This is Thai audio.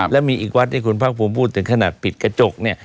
และมีอีกวัดที่คุณภาคภูมิพูดถึงขนาดปิดกระจกเนี่ย